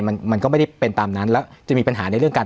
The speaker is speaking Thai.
มันมันก็ไม่ได้เป็นตามนั้นแล้วจะมีปัญหาในเรื่องการ